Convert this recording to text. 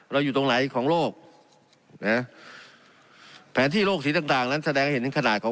อยู่ตรงไหนของโลกนะแผนที่โลกสีต่างต่างนั้นแสดงให้เห็นถึงขนาดของ